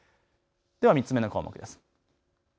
では３つ目の項目です。